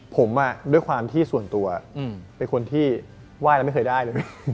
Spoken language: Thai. ผมด้วยความที่ส่วนตัวเป็นคนที่ไหว้แล้วไม่เคยได้เลย